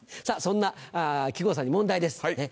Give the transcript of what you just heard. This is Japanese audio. さぁそんな木久扇さんに問題です。